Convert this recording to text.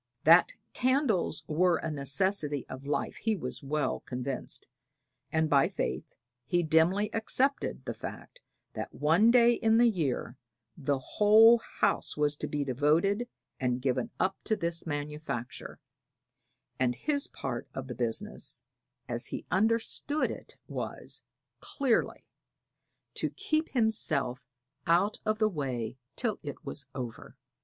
That candles were a necessity of life he was well convinced, and by faith he dimly accepted the fact that one day in the year the whole house was to be devoted and given up to this manufacture; and his part of the business, as he understood it, was, clearly, to keep himself out of the way till it was over.